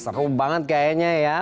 seru banget kayaknya ya